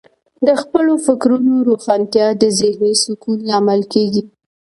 د خپلو فکرونو روښانتیا د ذهنې سکون لامل کیږي.